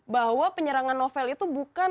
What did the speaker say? bahwa penyerangan novel itu